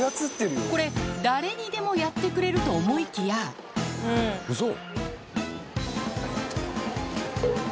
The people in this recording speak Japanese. これ誰にでもやってくれると思いきやウソ。